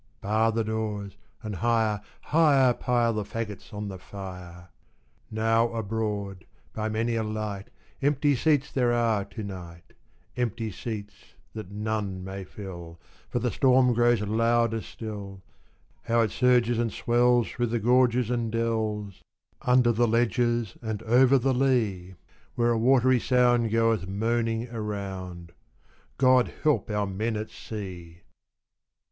Bar the doors, and higher, higher Pile the faggots on the fire: Now abroad, by many a light, Empty seats there are to night Empty seats that none may fill, For the storm grows louder still: How it surges and swells through the gorges and dells, Under the ledges and over the lea, Where a watery sound goeth moaning around God help our men at sea!